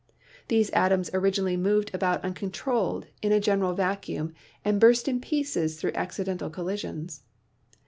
These atoms originally moved about uncontrolled in a general vacuum and burst in pieces through accidental collisions.